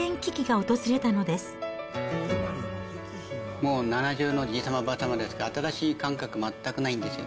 もう、７０のじいさま、ばあさまですから、新しい感覚全くないんですよ。